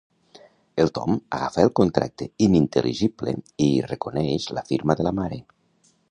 El Tom agafa el contracte inintel·ligible i hi reconeix la firma de la mare.